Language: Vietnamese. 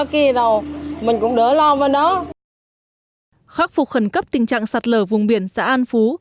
khắc phục khẩn cấp tình trạng sạt lở vùng biển xã an phú